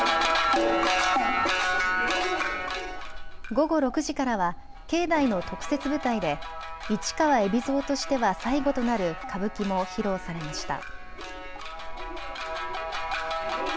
午後６時からは境内の特設舞台で市川海老蔵としては最後となる歌舞伎も披露されました。